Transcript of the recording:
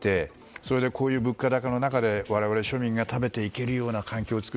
それで、こういう物価高の中で我々庶民が食べていけるような環境を作る。